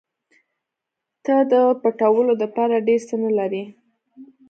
ته د پټولو دپاره ډېر څه نه لرې.